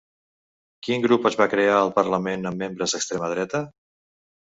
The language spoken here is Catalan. Quin grup es va crear al Parlament amb membres d'extrema dreta?